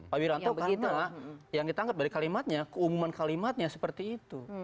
pak wiranto karena yang ditangkap dari kalimatnya keumuman kalimatnya seperti itu